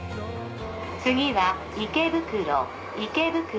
次は池袋池袋。